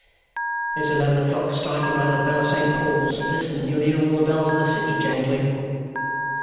"It's eleven o'clock striking by the bell of Saint Paul's. Listen and you'll hear all the bells in the city jangling."